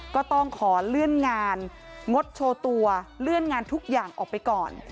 ก็ต้องขอเลื่อนงานงดโชว์ตัวเลื่อนงานทุกอย่างออกไปก่อน